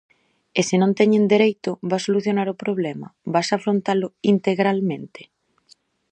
E se non teñen dereito, vas solucionar o problema, vas afrontalo integralmente?